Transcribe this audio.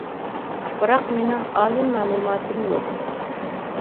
؟؟؟ بىراق مىنىڭ ئالىي مەلۇماتىم يوق.